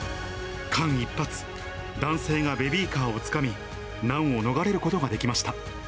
間一髪、男性がベビーカーをつかみ、難を逃れることができました。